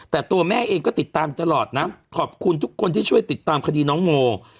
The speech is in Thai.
แต่ตัวแม่เองก็ติดตามตลอดนะขอบคุณทุกคนที่ช่วยติดตามคดีน้องโม